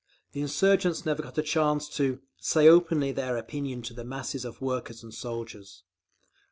The insurgents never got a chance to "say openly their opinion to the masses of workers and soldiers."